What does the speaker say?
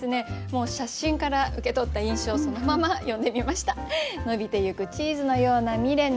もう写真から受け取った印象そのまま詠んでみました。